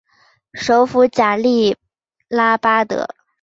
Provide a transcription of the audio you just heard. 首府贾利拉巴德。